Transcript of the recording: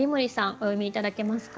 お読み頂けますか？